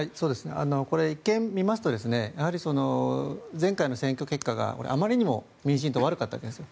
これ、一見見ますと前回の選挙結果があまりにも民進党が悪かったわけです。